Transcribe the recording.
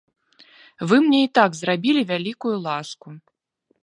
Вы мне і так зрабілі вялікую ласку.